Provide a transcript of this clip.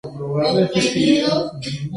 Esto lo hace el primer museo en Gran Bretaña.